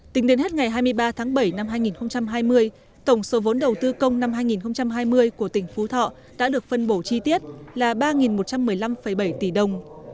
tính đến hết ngày hai mươi ba tháng bảy năm hai nghìn hai mươi tổng số vốn đầu tư công năm hai nghìn hai mươi của tỉnh phú thọ đã được phân bổ chi tiết là ba một trăm một mươi năm bảy tỷ đồng